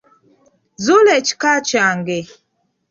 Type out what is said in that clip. Nzuula ekika kyange.